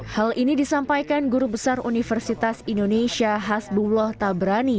hal ini disampaikan guru besar universitas indonesia hasbullah tabrani